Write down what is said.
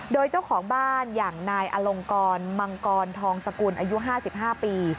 โดยเจ้าของบ้านอย่างนายอลงกรมังกรทองสกุลอายุ๕๕ปี